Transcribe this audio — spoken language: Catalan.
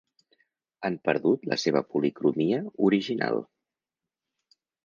Han perdut la seva policromia original.